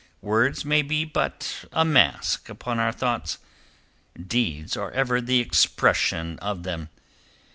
Words may be but a mask upon our thoughts; deeds are ever the expression of them.